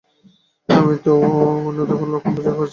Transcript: আমি তো নিদেন-কালের কোনো লক্ষণ বুঝতে পারছি নে।